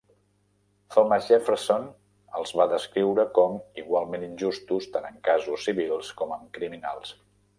Thomas Jefferson els va descriure com "igualment injustos tant en casos civils com en criminals".